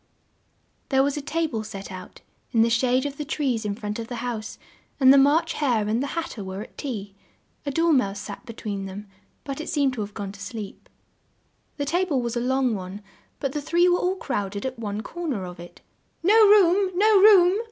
There was a ta ble set out, in the shade of the trees in front of the house, and the March Hare and the Hat ter were at tea; a Dor mouse sat be tween them, but it seemed to have gone to sleep. The ta ble was a long one, but the three were all crowd ed at one cor ner of it. "No room! No room!"